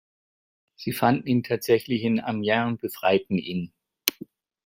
Sie fanden ihn tatsächlich in Amiens und befreiten ihn.